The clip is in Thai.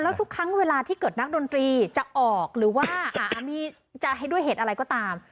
แล้วทุกครั้งเวลาที่เกิดนักดนตรีจะออกหรือว่าจะให้ด้วยเหตุอะไรก็ตาม